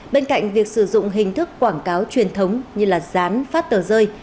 bên cạnh việc sử dụng hình thức quảng cáo truyền thống như là rán phát tờ rơi